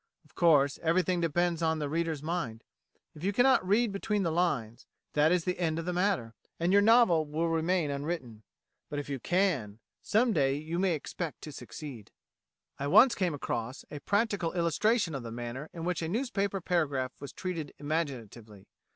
Of course everything depends on the reader's mind. If you cannot read between the lines that is the end of the matter, and your novel will remain unwritten; but if you can some day you may expect to succeed. I once came across a practical illustration of the manner in which a newspaper paragraph was treated imaginatively.